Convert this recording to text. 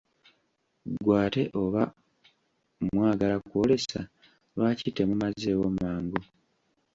Ggwe ate oba mwagala kwoolesa, lwaki temumazeewo mangu?